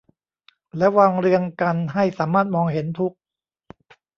แล้ววางเรียงกันให้สามารถมองเห็นทุก